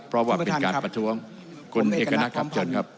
เพราะว่าเป็นการประท้วงคุณเอกณัฐพร้อมพันธุ์